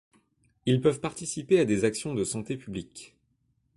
Ils peuvent participer à des actions de santé publique.